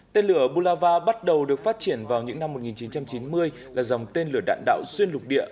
tên lửa bulava bắt đầu được phát triển vào những năm một nghìn chín trăm chín mươi là dòng tên lửa đạn đạo xuyên lục địa